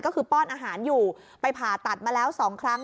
ก็คือป้อนอาหารอยู่ไปผ่าตัดมาแล้ว๒ครั้ง